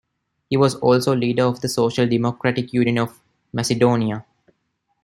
He was also leader of the Social Democratic Union of Macedonia.